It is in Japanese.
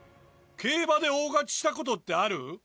競馬で大勝ちしたことってある？